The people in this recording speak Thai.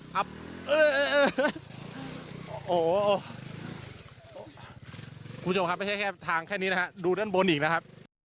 คุณผู้ชมครับไม่ใช่แค่ทางแค่นี้นะฮะดูด้านบนอีกนะครับ